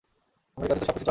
আমেরিকাতে তো সবকিছু চলেই।